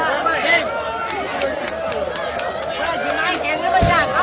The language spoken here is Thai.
สวัสดีครับทุกคน